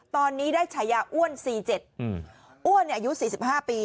ตอนนี้ได้ฉายาอ้วน๔๗อ้วนอายุ๔๕ปี